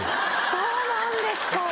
そうなんですか！